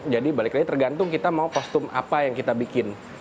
jadi balik lagi tergantung kita mau kostum apa yang kita bikin